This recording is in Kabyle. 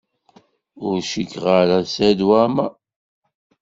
Ur cikkeɣ ara d Saɛid Waɛmaṛ.